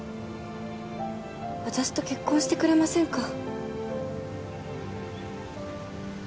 私と結婚してくれませんか？